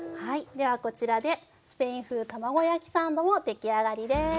ではこちらでスペイン風卵焼きサンドも出来上がりです。